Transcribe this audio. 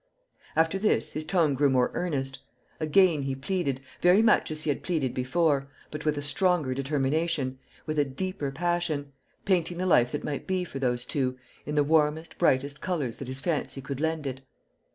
After this, his tone grew more earnest; again he pleaded, very much as he had pleaded before, but with a stronger determination, with a deeper passion, painting the life that might be for those two in the warmest, brightest colours that his fancy could lend it.